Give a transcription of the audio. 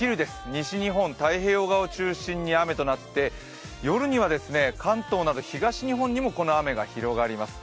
西日本太平洋側を中心に雨になって夜には関東など東日本にもこの雨が広がります。